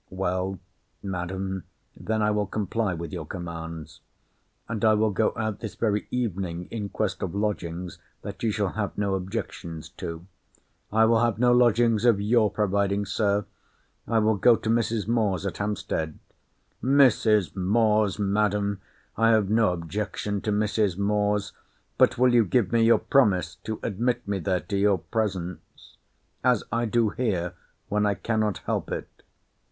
Well, Madam, then I will comply with your commands. And I will go out this very evening in quest of lodgings that you shall have no objections to. I will have no lodgings of your providing, Sir—I will go to Mrs. Moore's, at Hampstead. Mrs. Moore's, Madam!—I have no objection to Mrs. Moore's—but will you give me your promise, to admit me there to your presence? As I do here—when I cannot help it.